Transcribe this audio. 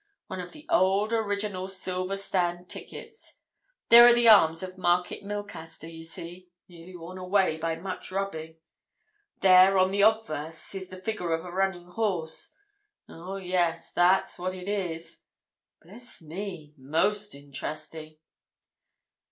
One of the old original silver stand tickets. There are the arms of Market Milcaster, you see, nearly worn away by much rubbing. There, on the obverse, is the figure of a running horse. Oh, yes, that's what it is! Bless me!—most interesting."